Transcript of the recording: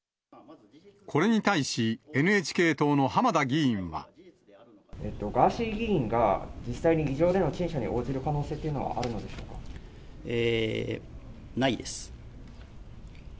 これに対し、ガーシー議員が、実際に議場での陳謝に応じる可能性っていうのは、あるのでしょうえー、ないです。